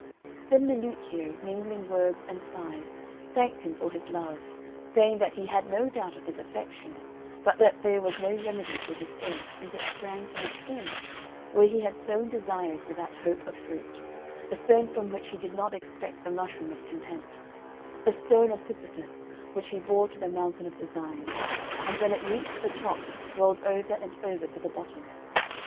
Then Milluccio, mingling words and sighs, thanked him for his love, saying that he had no doubt of his affection, but that there was no remedy for his ill, since it sprang from a stone, where he had sown desires without hope of fruit a stone from which he did not expect a mushroom of content a stone of Sisyphus, which he bore to the mountain of designs, and when it reached the top rolled over and over to the bottom.